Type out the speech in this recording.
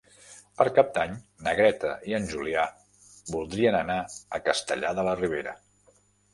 Per Cap d'Any na Greta i en Julià voldrien anar a Castellar de la Ribera.